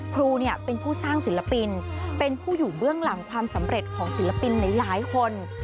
ครูเป็นผู้สร้างศิลปินเป็นผู้อยู่เบื้องหลังความสำเร็จของศิลปินหลายคน